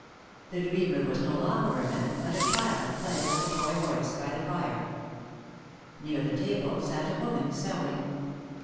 The dreamer was no longer a man, but a child playing with a toy horse by the fire. Near the table sat a woman sewing.